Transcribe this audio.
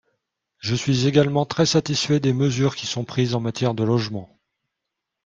Je suis également très satisfait des mesures qui sont prises en matière de logements.